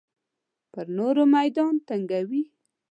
پر نورو میدان تنګوي.